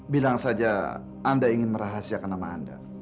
bilang saja anda ingin merahasiakan nama anda